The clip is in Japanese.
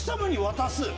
渡す。